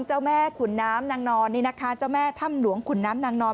เจ้าแม่ขุนน้ำนางนอนนี่นะคะเจ้าแม่ถ้ำหลวงขุนน้ำนางนอน